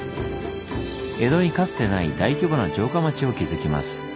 江戸にかつてない大規模な城下町を築きます。